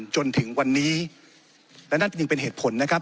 จนถึงวันนี้และนั่นจึงเป็นเหตุผลนะครับ